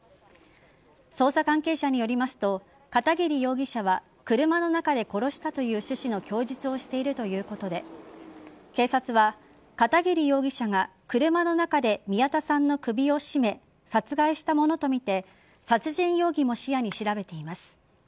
捜査関係者によりますと片桐容疑者は車の中で殺したという趣旨の供述をしているということで警察は片桐容疑者が車の中で宮田さんの首を絞め殺害したものとみて殺人容疑も視野に調べています。